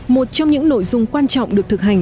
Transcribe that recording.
một trong những nội dung quan trọng được thực hành